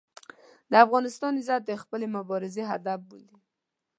د افغانستان عزت د خپلې مبارزې هدف بولي.